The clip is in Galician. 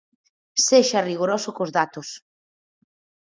Sexa rigoroso cos datos.